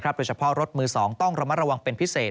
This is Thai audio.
โดยเฉพาะรถมือ๒ต้องระมัดระวังเป็นพิเศษ